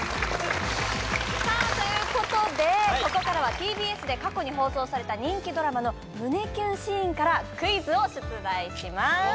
さあということでここからはＴＢＳで過去に放送された人気ドラマの胸キュンシーンからクイズを出題します